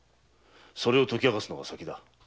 それを解き明かすのが先だ。